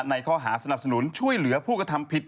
ในข้อหาสนับสนุนช่วยเหลือผู้กระทำผิด